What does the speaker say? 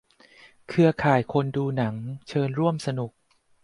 "เครือข่ายคนดูหนัง" เชิญร่วมสนุก